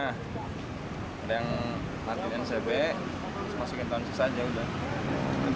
ada yang ngaktifin ncb terus masukin tongkat saja udah